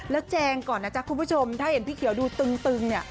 แล้วแจงก่อนนะจ๊ะคุณผู้ชมถ้าเห็นพี่เขียวดูตึงเนี่ย